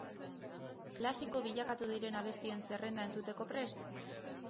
Klasiko bilakatu diren abestien zerrenda entzuteko prest?